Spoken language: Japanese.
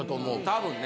多分ね。